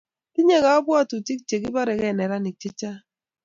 Tinyei kabwotutij che kiboregei neranik che chang'